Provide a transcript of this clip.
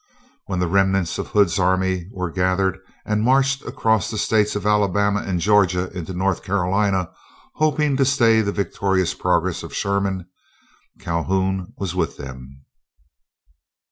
When the remnants of Hood's army were gathered and marched across the states of Alabama and Georgia into North Carolina, hoping to stay the victorious progress of Sherman, Calhoun was with them.